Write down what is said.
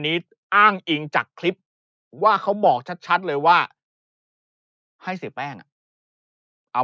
นี้อ้างอิงจากคลิปว่าเขาบอกชัดเลยว่าให้เสียแป้งเอา